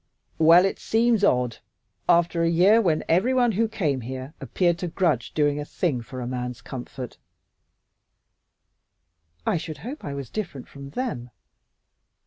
"Well, it seems odd after a year when everyone who came here appeared to grudge doing a thing for a man's comfort." "I should hope I was different from them."